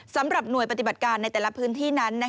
สำหรับหน่วยปฏิบัติการในแต่ละพื้นที่นั้น